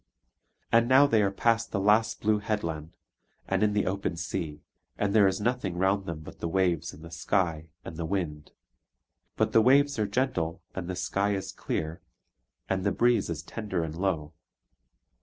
And now they are past the last blue headland, and in the open sea; and there is nothing round them but the waves, and the sky, and the wind. But the waves are gentle, and the sky is clear, and the breeze is tender and low.